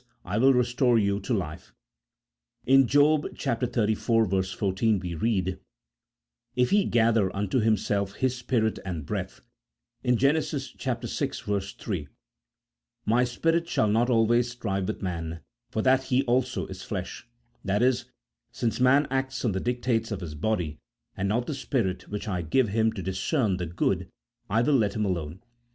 I will restore you to life. In Job xxxiv. 14, we read :" If He gather unto Himself His Spirit and breath ;" in Gen. vi. 3 :" My Spirit shall not always strive with man, for that he also is flesh," i.e. since man acts on the dictates of his body, and not the spirit which I gave him to discern the good, I will let him alone.